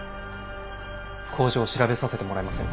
工場を調べさせてもらえませんか。